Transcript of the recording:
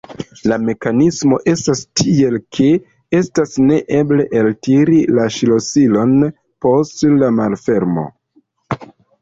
La mekanismo estas tiel, ke estas neeble eltiri la ŝlosilon post la malfermo.